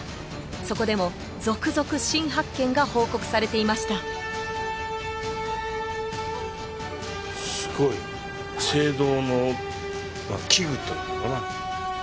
そこでも続々新発見が報告されていましたというのかな